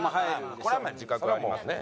これは自覚ありますね。